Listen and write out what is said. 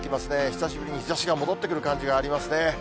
久しぶりに日ざしが戻ってくる感じがありますね。